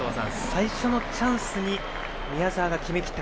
最初のチャンスに宮澤が決めきった。